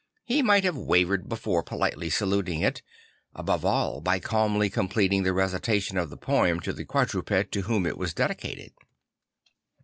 He might have ,vavered before politely saluting it, above all by calmly completing the recitation of the poem to the quadruped to whom it was dedicated.